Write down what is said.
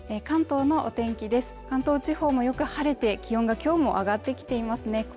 関東地方もよく晴れて気温が今日も上がってきていますね